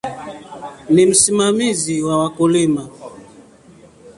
Ni msimamizi wa wakulima.